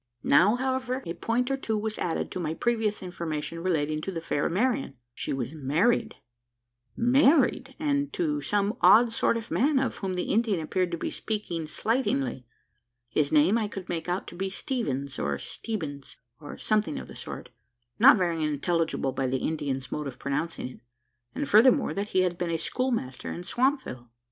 Now, however, a point or two was added to my previous information relating to the fair Marian. She was married. Married and to some odd sort of man, of whom the Indian appeared to speak slightingly. His name I could make out to be Steevens, or Steebins, or something of the sort not very intelligible by the Indian's mode of pronouncing it and, furthermore, that he had been a schoolmaster in Swampville.